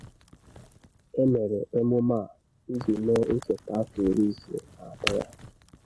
E mere emume a iji mee ncheta afọ iri ise na atọ ya.